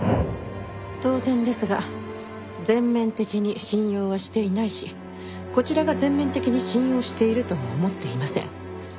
当然ですが全面的に信用はしていないしこちらが全面的に信用しているとも思っていません。